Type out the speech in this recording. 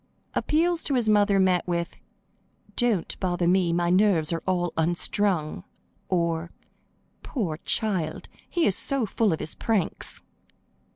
Appeals to his mother met with: "Don't bother me, my nerves are all unstrung;" or, "Poor child, he is so full of his pranks!"